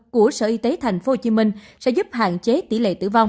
của sở y tế tp hcm sẽ giúp hạn chế tỷ lệ tử vong